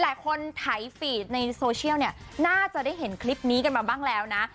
หลายคนไถฟีดในโซเชียลเนี่ยน่าจะได้เห็นคลิปนี้กันมาบ้างแล้วนะ